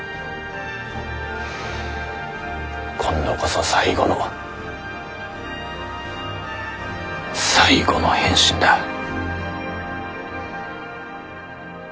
今度こそ最後の最後の変身だ。